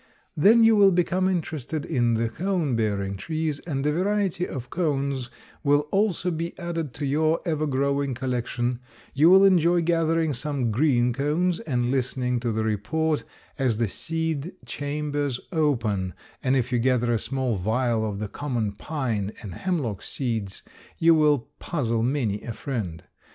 Then you will become interested in the cone bearing trees and a variety of cones will also be added to your evergrowing collection, you will enjoy gathering some green cones and listening to the report as the seed chambers open, and if you gather a small vial of the common pine and hemlock seeds you will puzzle many a friend.